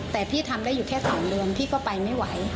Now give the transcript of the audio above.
แต่พี่ทำได้อยู่แค่๒เดือนพี่ก็ไปไม่ไหว